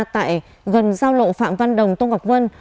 tại gần giao lộ phạm văn đồng tô ngọc vân